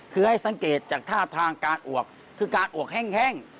คือให้สังเกตจากท่าทางการอวกคือการอวกแห้ง